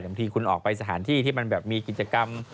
บางทีคุณออกไปสถานที่ที่มันแบบมีกิจกรรม